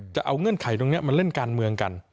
เงื่อนไขตรงนี้มาเล่นการเมืองกัน